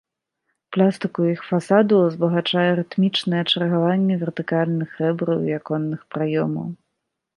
Пластыку іх фасадаў узбагачае рытмічнае чаргаванне вертыкальных рэбраў і аконных праёмаў.